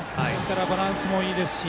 バランスもいいですし。